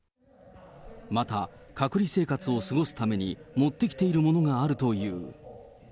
また、隔離生活を過ごすために持ってきているものがあるという。